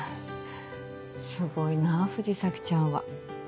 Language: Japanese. すごいなぁ藤崎ちゃんは。